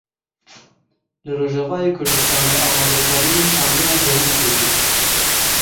Li Rojavayê Kurdistanê amadekariyên çandina genim tê kirin.